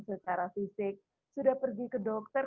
secara fisik sudah pergi ke dokter